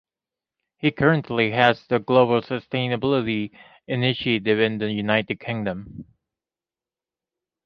He currently heads the Global Sustainability Initiative in the United Kingdom.